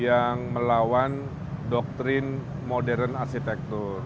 yang melawan doktrin modern arsitektur